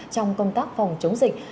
trong công tác phòng chống dịch